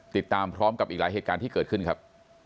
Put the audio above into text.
ติดตามพร้อมกับอีกหลายเหตุการณ์ที่เกิดขึ้นครับ